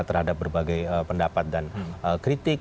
terhadap berbagai pendapat dan kritik